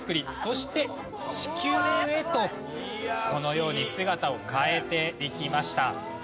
そして地球へとこのように姿を変えていきました。